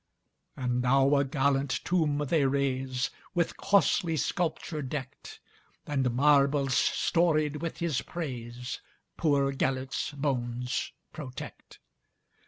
And now a gallant tomb they raise, With costly sculpture decked; And marbles storied with his praisePoor Gêlert's bones protect.